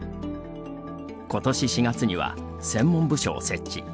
ことし４月には専門部署を設置。